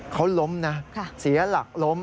เขาล้มนะเสียหลักล้ม